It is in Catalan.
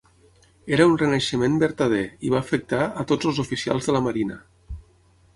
Era un renaixement vertader i va afectar a tots els oficials de la marina.